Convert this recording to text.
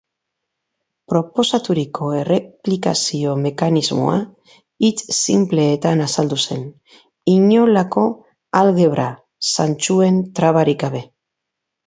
Proposaturiko erreplikazio-mekanismoa hitz sinpleetan azaldu zen, inolako algebra-zantzuen trabarik gabe.